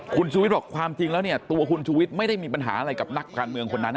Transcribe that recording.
คุณชูวิทย์บอกความจริงแล้วเนี่ยตัวคุณชุวิตไม่ได้มีปัญหาอะไรกับนักการเมืองคนนั้น